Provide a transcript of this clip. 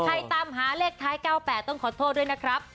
ตามหาเลขท้าย๙๘ต้องขอโทษด้วยนะครับ